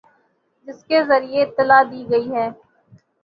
جس کے ذریعے اطلاع دی گئی ہے